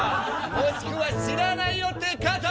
もしくは知らないよって方！